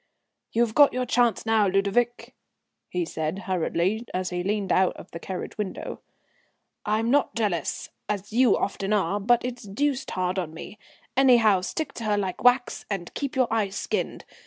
"You've got your chance now, Ludovic," he said hurriedly, as he leaned out of the carriage window. "I'm not jealous, as you often are, but it's deuced hard on me. Anyhow, stick to her like wax, and keep your eyes skinned.